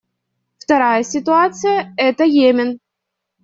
Вторая ситуация — это Йемен.